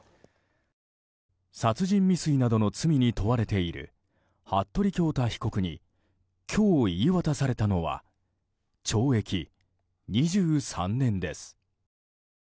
殺人未遂などの罪に問われている服部恭太被告に今日、言い渡されたのは懲役２３年です。